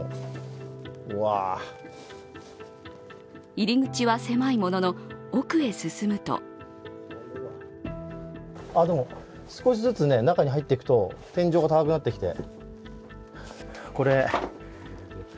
入り口は狭いものの、奥へ進むとでも、少しずつ中に入っていくと天井が高くなってきて。